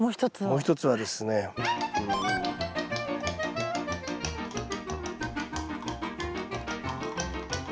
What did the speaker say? もう一つはですねうん。